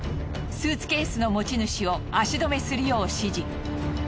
スーツケースの持ち主を足止めするよう指示。